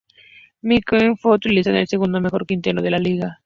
McKinney fue incluido en el segundo mejor quinteto de la liga.